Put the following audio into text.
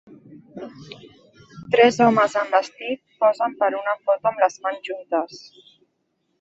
Tres homes amb vestit posen per a una foto amb les mans juntes.